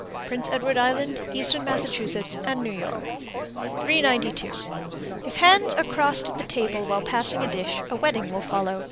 Prince Edward Island, Eastern Massachusetts, and New York. 392. If hands are crossed at the table while passing a dish, a wedding will follow.